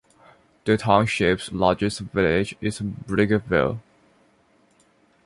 The Township's largest village is Brickerville.